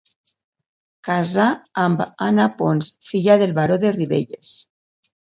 Casà amb Anna de Pons filla del Baró de Ribelles.